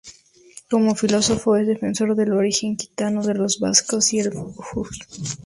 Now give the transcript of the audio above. Como filólogo, es defensor del origen aquitano de los vascos y el euskera.